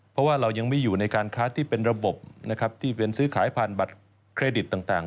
เพราะว่าเรายังไม่อยู่ในการค้าที่เป็นระบบนะครับที่เป็นซื้อขายผ่านบัตรเครดิตต่าง